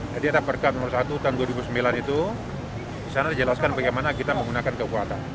jadi ada perkat nomor satu tahun dua ribu sembilan itu di sana dijelaskan bagaimana kita menggunakan kekuatan